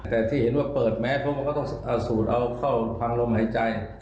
แต่ที่เห็นว่าเปิดแมสเพราะมันก็ต้องสูดเอาเข้าพังลมหายใจ